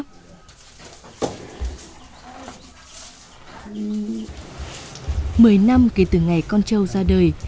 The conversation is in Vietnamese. một mươi năm kể từ ngày con trâu ra đời